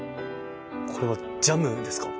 これはジャムですか？